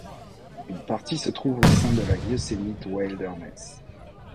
Une partie se trouve au sein de la Yosemite Wilderness.